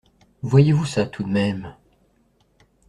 Voyez-vous ça, tout de même…